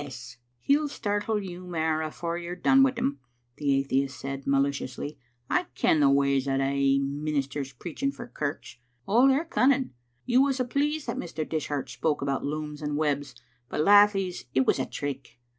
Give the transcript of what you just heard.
" He'll startle you mair afore you're done wi' him," the atheist said maliciously. " I ken the ways o' thae ministers preaching for kirks. Oh, they're cunning. You was a' pleased that Mr. Dishart spoke about looms and webs, but, lathies, it was a trick.